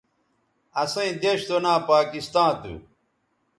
اسئیں دیݜ سو ناں پاکستاں تھو